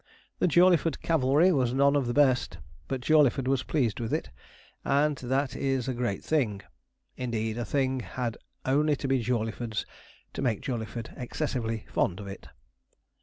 The Jawleyford cavalry was none of the best; but Jawleyford was pleased with it, and that is a great thing. Indeed, a thing had only to be Jawleyford's, to make Jawleyford excessively fond of it.